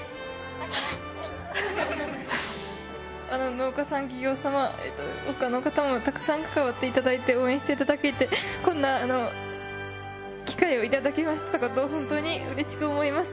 農家さん企業様他の方もたくさん関わっていただいて応援していただけてこんな機会をいただけましたこと本当にうれしく思います。